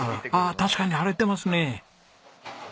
確かに腫れてますね。